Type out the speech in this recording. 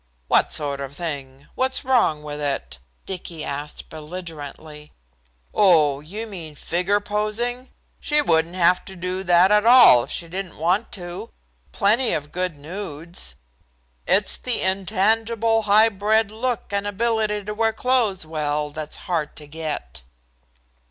"What sort of thing? What's wrong with it?" Dicky asked belligerently. "Oh, you mean figure posing! She wouldn't have to do that at all if she didn't want to. Plenty of good nudes. It's the intangible, high bred look and ability to wear clothes well that's hard to get."